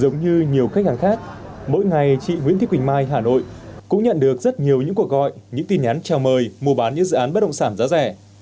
giống như nhiều khách hàng khác mỗi ngày chị nguyễn thị quỳnh mai hà nội cũng nhận được rất nhiều những cuộc gọi những tin nhắn chào mời mua bán những dự án bất động sản giá rẻ